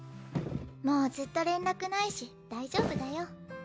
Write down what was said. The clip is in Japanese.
もうずっと連絡ないし大丈夫だよ。